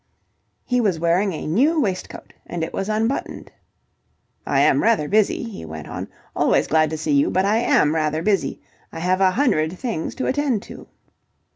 He was wearing a new waistcoat and it was unbuttoned. "I am rather busy," he went on. "Always glad to see you, but I am rather busy. I have a hundred things to attend to."